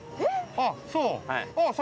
あっそう。